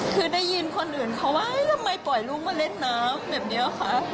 คือได้ยินคนอื่นเขาว่าทำไมปล่อยลูกมาเล่นน้ำแบบนี้คะ